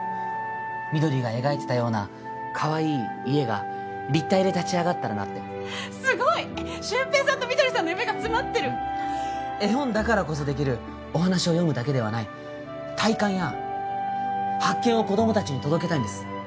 みどりが描いてたようなかわいい家が立体で立ち上がったらなってすごい俊平さんとみどりさんの夢が詰まってる絵本だからこそできるお話を読むだけではない体感や発見を子供達に届けたいんです